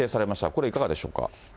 これいかがでしょうか。